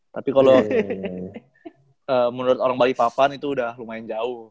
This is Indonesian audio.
tapi kalau menurut orang balikpapan itu udah lumayan jauh